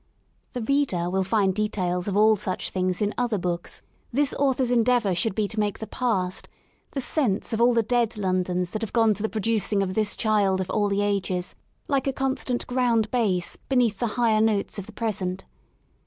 The reader will find details of all such things in other books — this author's endeavour should be to make the Past, the sense of all the dead Londons that have gone to the producing of this child of all the ages, like a constant ground bass beneath the higher notes of the Present.